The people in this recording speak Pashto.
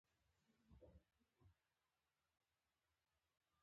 بېنډۍ له مرچو سره مزه راولي